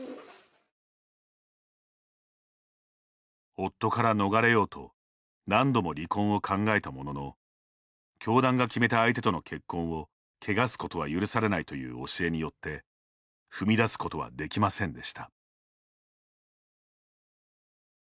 夫から逃れようと何度も離婚を考えたものの教団が決めた相手との結婚をけがすことは許されないという教えによって踏み出すことはできませんでした。